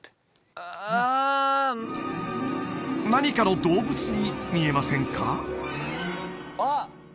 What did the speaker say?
何かの動物に見えませんか？